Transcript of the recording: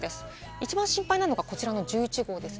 一番心配なのが、こちらの１１号です。